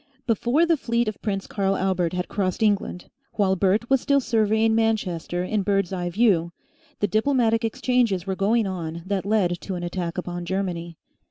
Before the fleet of Prince Karl Albert had crossed England, while Bert was still surveying Manchester in bird's eye view, the diplomatic exchanges were going on that led to an attack upon Germany.